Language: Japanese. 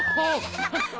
ハハハハ！